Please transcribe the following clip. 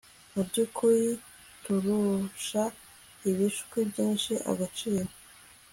mu by'ukuri, 'turusha ibishwi byinshi agaciro'